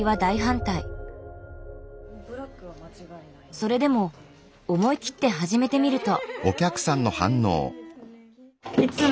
それでも思い切って始めてみると。